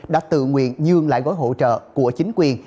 đã tự nguyện nhường lại gói hỗ trợ của chính quyền